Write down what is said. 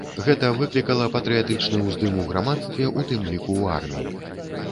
Гэта выклікала патрыятычны ўздым у грамадстве, у тым ліку ў арміі.